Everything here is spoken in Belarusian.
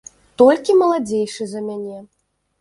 Толькі маладзейшы за мяне.